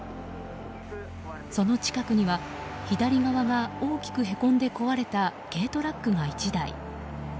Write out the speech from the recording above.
その近くには左側が大きくへこんで壊れた軽トラックが１台。